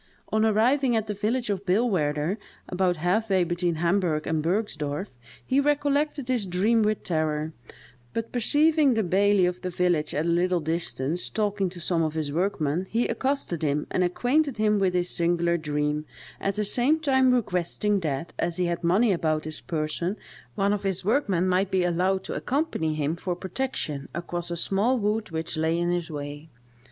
On arriving at the village of Billwaerder, about half way between Hamburgh and Bergsdorff, he recollected his dream with terror; but perceiving the baillie of the village at a little distance, talking to some of his workmen, he accosted him, and acquainted him with his singular dream, at the same time requesting that, as he had money about his person, one of his workmen might be allowed to accompany him for protection across a small wood which lay in his way.